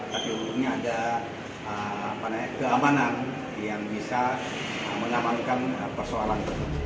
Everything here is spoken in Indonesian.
tapi umurnya ada keamanan yang bisa menamankan persoalan itu